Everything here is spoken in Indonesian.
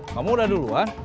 kamu udah duluan